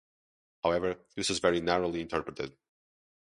However, this was very narrowly interpreted.